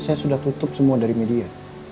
saya sudah tutup semua dari media